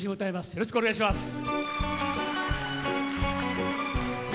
よろしくお願いします。